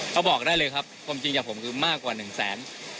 เขาบอกได้เลยครับความจริงจากผมคือมากกว่าหนึ่งแสน